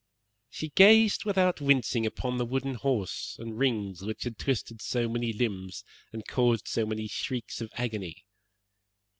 "'She gazed without wincing upon the wooden horse and rings which had twisted so many limbs and caused so many shrieks of agony.